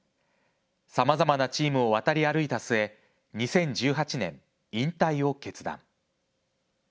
さまざまなチームを渡り歩いた末２０１８年、引退を決断。